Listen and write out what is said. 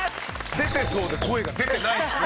出てそうで声が出てないですね。